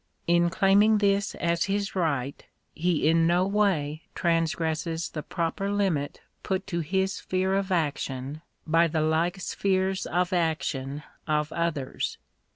In claim ing this as his right, he in no way transgresses the proper limit put to his sphere of action by the like spheres of action of others.